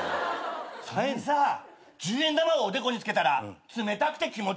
それにさ１０円玉をおでこに付けたら冷たくて気持ちいいよね。